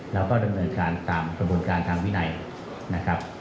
แล้วก็ดำเนินการตามกระบวนการทางวินัยนะครับ